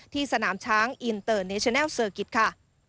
ที่สนามช้างอินเตอร์เนชั่นแนลเซอร์กิตค่ะ